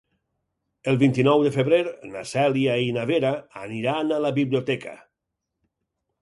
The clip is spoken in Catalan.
El vint-i-nou de febrer na Cèlia i na Vera aniran a la biblioteca.